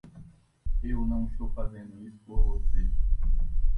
Eu não estou fazendo isso por você!